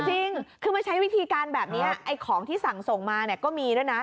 จริงคือมันใช้วิธีการแบบนี้ไอ้ของที่สั่งส่งมาเนี่ยก็มีด้วยนะ